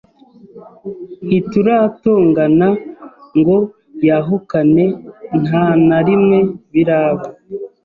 ntituratongana ngo yahukanentana rimwe biraba